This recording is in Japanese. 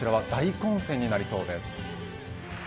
こちらは大混戦になりそうです。